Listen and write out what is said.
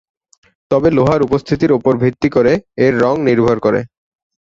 তবে লোহার উপস্থিতির ওপর ভিত্তি করে এর রঙ নির্ভর করে।